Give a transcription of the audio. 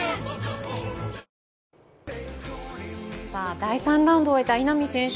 第３ラウンドを終えた稲見選手